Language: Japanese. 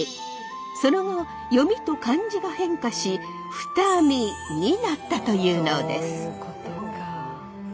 その後読みと漢字が変化し二見になったというのです。